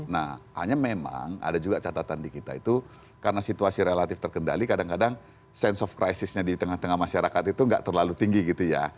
nah hanya memang ada juga catatan di kita itu karena situasi relatif terkendali kadang kadang sense of crisisnya di tengah tengah masyarakat itu nggak terlalu tinggi gitu ya